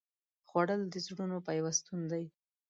خوړل د زړونو پیوستون دی